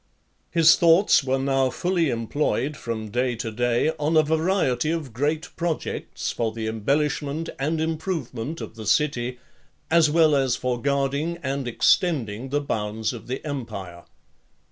XLIV. His thoughts were now fully employed from day to day on a variety of great projects for the embellishment and improvement of the city, as well as for guarding and extending the bounds of the empire.